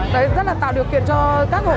đấy rất là tạo điều kiện cho các hộp